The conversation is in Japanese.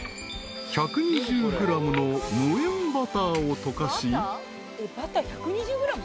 ［１２０ｇの無塩バターを溶かし］